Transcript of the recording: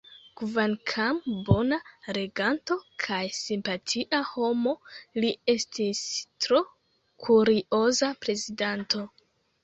Kvankam bona reganto kaj simpatia homo, li estis tro kurioza prezidanto.